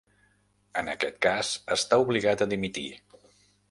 En aquest cas, està obligat a dimitir.